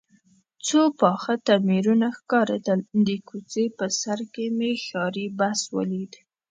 څو پاخه تعمیرونه ښکارېدل، د کوڅې په سر کې مې ښاري بس ولید.